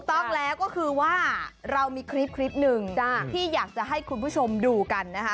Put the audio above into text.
ต้องแล้วก็คือว่าเรามีคลิปหนึ่งที่อยากจะให้คุณผู้ชมดูกันนะคะ